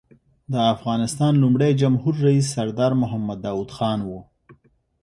د افغانستان لومړی جمهور رییس سردار محمد داود خان و.